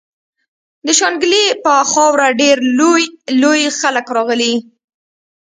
د شانګلې پۀ خاوره ډېر لوئ لوئ خلق راغلي